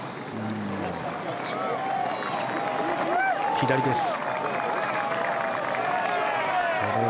左です。